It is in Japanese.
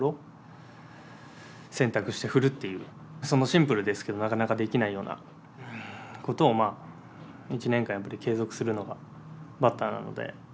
そのシンプルですけどなかなかできないようなことを１年間やっぱり継続するのがバッターなので。